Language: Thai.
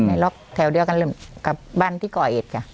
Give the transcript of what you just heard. ล็อกแถวเดียวกันกับบ้านที่ก่อเหตุจ้ะ